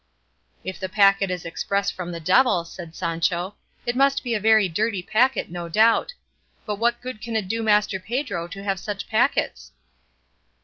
"If the packet is express from the devil," said Sancho, "it must be a very dirty packet no doubt; but what good can it do Master Pedro to have such packets?"